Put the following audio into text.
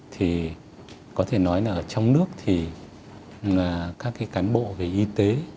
thì có thể nói là ở trong nước thì các cái cán bộ về y tế